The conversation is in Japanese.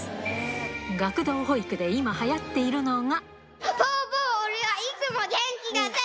学童保育で今流行っているのが